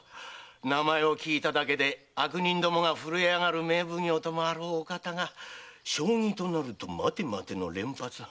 名前を聞いただけで悪人どもが震え上がる名奉行ともあろうお方が将棋となると「待て待て」の連発。